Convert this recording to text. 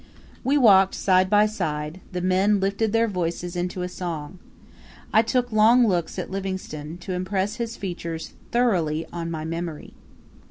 We walked side by side; the men lifted their voices into a song. I took long looks at Livingstone, to impress his features thoroughly on my memory.